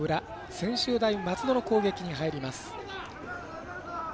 専修大松戸の攻撃に入ります。